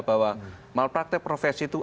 bahwa malpraktek profesi itu